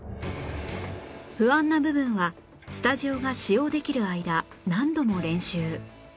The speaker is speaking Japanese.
不安な部分はスタジオが使用できる間何度も練習